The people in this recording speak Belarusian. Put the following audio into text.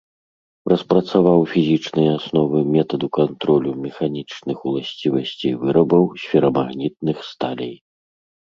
Распрацаваў фізічныя асновы метаду кантролю механічных уласцівасцей вырабаў з ферамагнітных сталей.